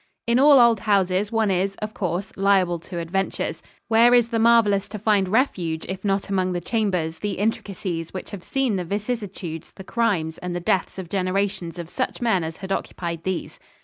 In all old houses one is, of course, liable to adventures. Where is the marvellous to find refuge, if not among the chambers, the intricacies, which have seen the vicissitudes, the crimes, and the deaths of generations of such men as had occupied these?